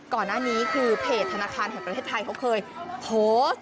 ก่อนหน้านี้คือเพจธนาคารแห่งประเทศไทยเขาเคยโพสต์